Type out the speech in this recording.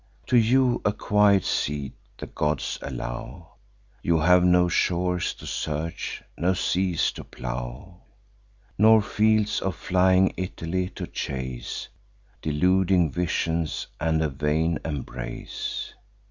To you a quiet seat the gods allow: You have no shores to search, no seas to plow, Nor fields of flying Italy to chase: (Deluding visions, and a vain embrace!)